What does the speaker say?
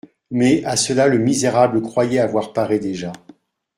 Mais à cela le misérable croyait avoir paré déjà.